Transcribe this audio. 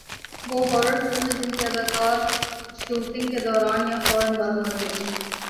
وہ ہارر فلمیں جن کے اداکار شوٹنگ کے دوران یا فورا بعد مر گئے